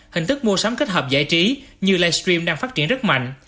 hình thức mua sắm kết hợp giải trí như live stream đang phát triển rất mạnh